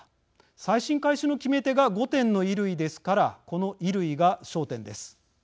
再審開始の決め手が５点の衣類ですからこの衣類が焦点です。